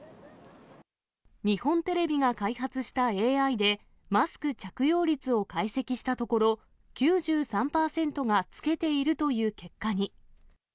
日本テレビが開発したＡＩで、マスク着用率を解析したところ、９３％が着けているという結果に。